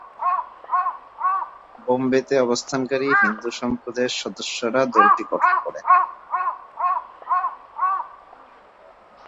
বোম্বেতে অবস্থানকারী হিন্দু সম্প্রদায়ের সদস্যরা দলটি গঠন করে।